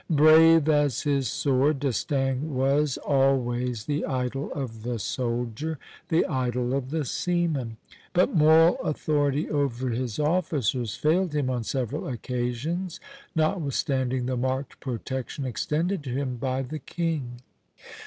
" "Brave as his sword, D'Estaing was always the idol of the soldier, the idol of the seaman; but moral authority over his officers failed him on several occasions, notwithstanding the marked protection extended to him by the king."